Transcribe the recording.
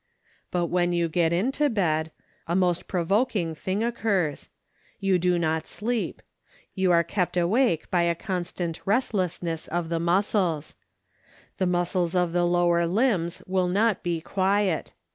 But when you get into bed a most provoking thing occurs; you do not sleep ; you are kept awake by a constant restlessness of the muscles. The muscles of the lower limbs will not be quiet.